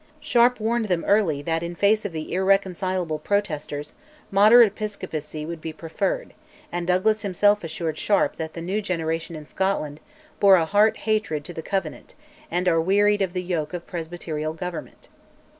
Sharp warned them early that in face of the irreconcilable Protesters, "moderate Episcopacy" would be preferred; and Douglas himself assured Sharp that the new generation in Scotland "bore a heart hatred to the Covenant," and are "wearied of the yoke of presbyterial government."